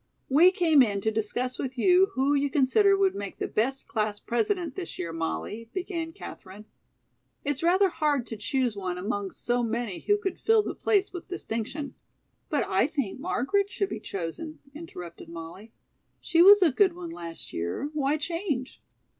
"We came in to discuss with you who you consider would make the best class president this year, Molly," began Katherine. "It's rather hard to choose one among so many who could fill the place with distinction " "But I think Margaret should be chosen," interrupted Molly. "She was a good one last year. Why change?"